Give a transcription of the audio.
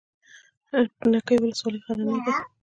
نکې ولسوالۍ غرنۍ ده؟